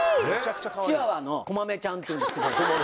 チワワのこまめちゃんっていうんですけど。